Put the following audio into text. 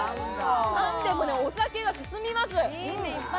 パンでもお酒が進みます。